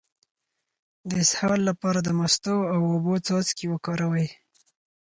د اسهال لپاره د مستو او اوبو څاڅکي وکاروئ